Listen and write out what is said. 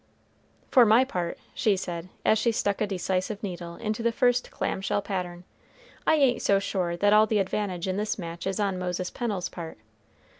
"For my part," she said, as she stuck a decisive needle into the first clam shell pattern, "I ain't so sure that all the advantage in this match is on Moses Pennel's part.